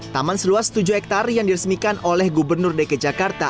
taman seluas tujuh hektare yang diresmikan oleh gubernur dg jakarta